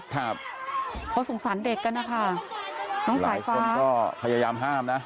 ครับเพราะสงสารเด็กกันนะคะน้องสายฟ้าก็พยายามห้ามนะ